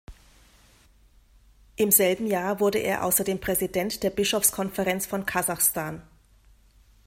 Im selben Jahr wurde er außerdem Präsident der Bischofskonferenz von Kasachstan.